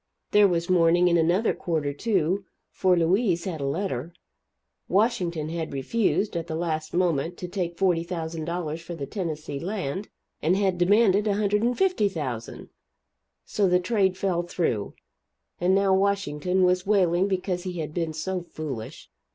There was mourning in another quarter, too, for Louise had a letter. Washington had refused, at the last moment, to take $40,000 for the Tennessee Land, and had demanded $150,000! So the trade fell through, and now Washington was wailing because he had been so foolish.